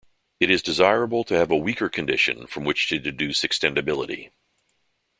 It is desirable to have a weaker condition from which to deduce extendability.